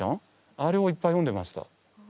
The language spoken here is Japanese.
あれをいっぱい読んでました。